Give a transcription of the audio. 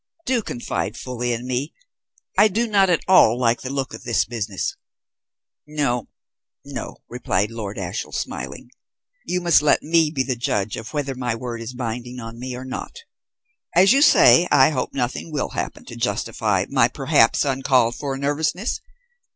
Do confide fully in me; I do not at all like the look of this business." "No, no," replied Lord Ashiel, smiling. "You must let me be the judge of whether my word is binding on me or not. As you say, I hope nothing will happen to justify my perhaps uncalled for nervousness.